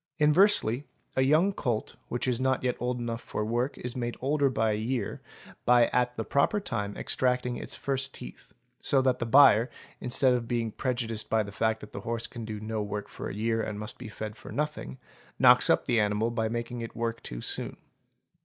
Inversely a young colt, which is not yet old enough for work is made older by a year by at the proper time extracting its first teeth; so that the buyer, instead of being prejudiced by the fact that the horse can do no work for a year and must be fed for nothing, knocks up the animal by making it work — é too soon.